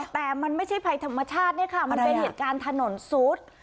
แต่มันไม่ใช่ภัยธรรมชาติเนี่ยค่ะมันเป็นเหตุการณ์ถนนซุด